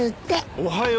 おはよう。